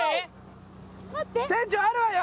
船長あるわよ！